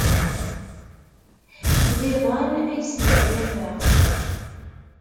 D iḍan ay smenyafeɣ.